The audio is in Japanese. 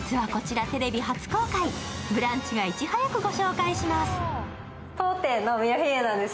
「ブランチ」がいち早く紹介します。